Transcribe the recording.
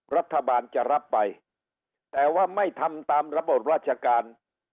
รัฐบาลจะรับไปแต่ว่าไม่ทำตามระบบราชการ